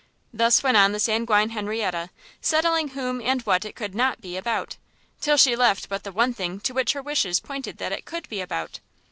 Thus went on the sanguine Henrietta, settling whom and what it could not be about, till she left but the one thing to which her wishes pointed that it could be about.